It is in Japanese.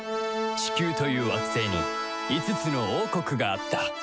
チキューという惑星に５つの王国があった